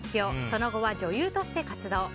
その後は女優として活動。